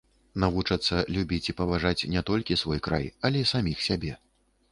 Навучацца любіць і паважаць не толькі свой край, але саміх сябе.